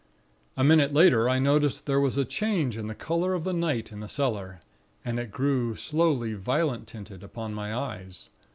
"A minute later, I noticed there was a change in the color of the night in the cellar, and it grew slowly violet tinted upon my eyes.